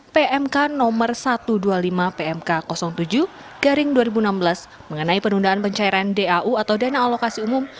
pmk no satu ratus dua puluh lima pmk tujuh garing dua ribu enam belas mengenai penundaan pencairan dau atau dana alokasi umum